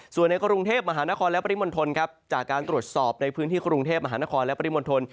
ส่วนในกรุงเทพมหานครและปริมณฑลครับจากการตรวจสอบในพื้นที่กรุงเทพมหานครและปริมณฑล